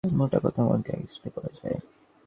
মোট কথা মনকে একনিষ্ঠ করা চাই।